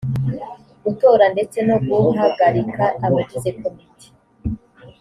gutora ndetse no guhagarika abagize komite